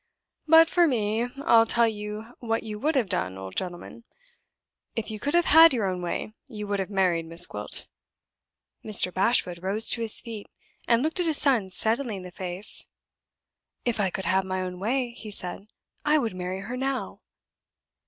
But for me, I'll tell you what you would have done, old gentleman. If you could have had your own way, you would have married Miss Gwilt." Mr. Bashwood rose to his feet, and looked his son steadily in the face. "If I could have my own way," he said, "I would marry her now."